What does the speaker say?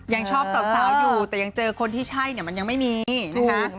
ยังชอบสาวอยู่แต่ยังเจอคนที่ใช่เนี่ยมันยังไม่มีนะคะ